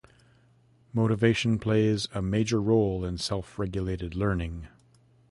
Motivation plays a major role in self regulated learning.